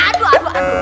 aduh aduh aduh